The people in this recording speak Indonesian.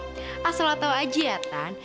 aw asal lo tau aja ya tan